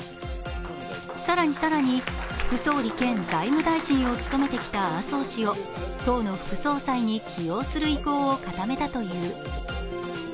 更に更に副総理兼財務大臣を務めてきた麻生氏を党の副総裁に起用する意向を固めたという。